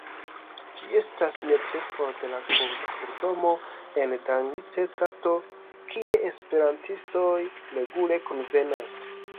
Ĝi estas ne tre for de la Kulturdomo en Danziger-strato, kie esperantistoj regule kunvenas.